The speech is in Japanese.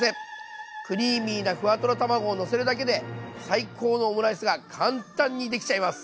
クリーミーなふわとろ卵をのせるだけで最高のオムライスが簡単にできちゃいます！